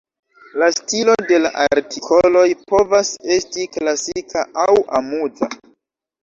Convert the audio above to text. La stilo de la artikoloj povas esti "klasika aŭ amuza".